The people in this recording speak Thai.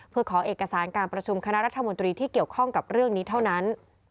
เพื่อขอเอกสารการประชุมคณะรัฐมนตรีที่เกี่ยวข้องกับเรื่องนี้เท่านั้น